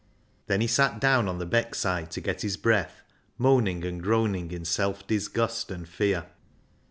Then he sat down on the Beck side to get his breath, moaning and groaning in self disgust and fear.